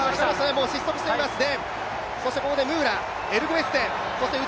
もう失速していますね。